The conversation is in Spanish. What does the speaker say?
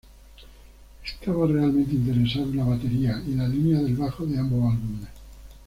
Estaba realmente interesado en la batería y la línea del bajo de ambos álbumes.